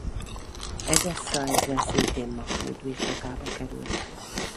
Edessza ezzel szintén Mahmúd birtokába került.